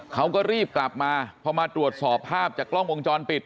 เขาก็รีบกลับมาพอมาตรวจสอบภาพจากกล้องวงจรปิด